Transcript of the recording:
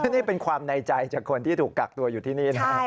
นี่เป็นความในใจจากคนที่ถูกกักตัวอยู่ที่นี่นะครับ